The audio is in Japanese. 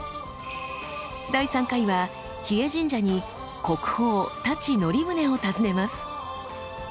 第３回は日枝神社に国宝太刀則宗を訪ねます。